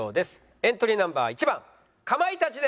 エントリーナンバー１番かまいたちです。